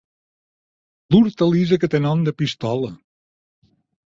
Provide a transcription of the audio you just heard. L'hortalissa que té nom de pistola.